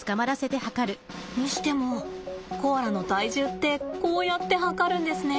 にしてもコアラの体重ってこうやって量るんですね。